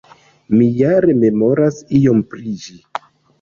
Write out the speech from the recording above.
Mi ja rememoras iom pri ĝi.